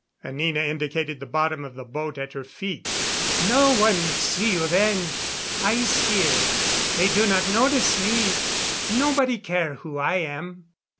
Anina indicated the bottom of the boat at her feet. "No one see you then. I steer. They do not notice me. Nobody care who I am."